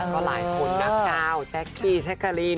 ก็หลายคนนะกาวแจ๊กกี้แจ๊กกะลีน